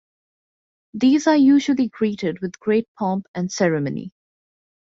These are usually greeted with great pomp and ceremony.